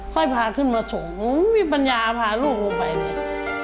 ค่อยพาขึ้นมาส่งพี่ปัญญาพาลูกลงไปเลย